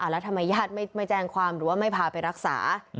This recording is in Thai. แล้วทำไมญาติไม่แจ้งความหรือว่าไม่พาไปรักษา